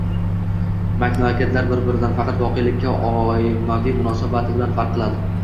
Mamlakatlar bir -biridan faqat voqelikka ommaviy munosabati bilan farq qiladi